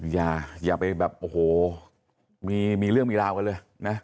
อย่าไปแบบโอ้โหมีเรื่องมีราวกันเลยนะ